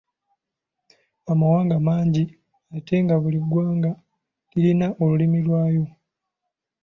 Amawanga mangi ate nga buli ggwanga lirina olulimi lwalyo